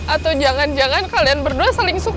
atau jangan jangan kalian berdua saling suka